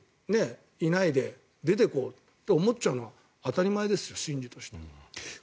家にいないで出ていこうと思っちゃうのは当たり前ですよ、心理としては。